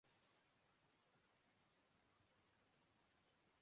شاہین دوسرے practice match میں Northamptonshire کیخلاف میدان میں اتریں گے